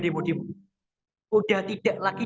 demodim sudah tidak lagi